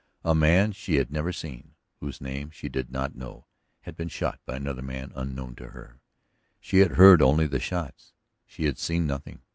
A man she had never seen, whose name even she did not know, had been shot by another man unknown to her; she had heard only the shots, she had seen nothing.